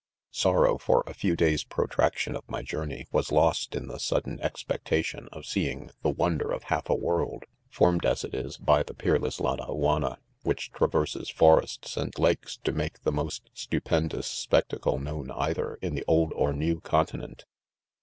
■ s Sorrow, for a few days 3 protraction of my jourhey, waslbstintiie s'lidden expectation of Seeing the wonder of half a world, formed 1 as if is, by the peerless badaiianiia, which traverses' forests and ; lakes to make the most stupen dous spectacle known' either in the old or' new doiitinent.